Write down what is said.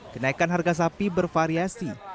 kenaikan harga sapi bervariasi